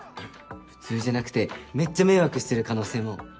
普通じゃなくてめっちゃ迷惑してる可能性もあるよね。